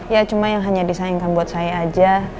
ya cuma yang hanya disayangkan buat saya aja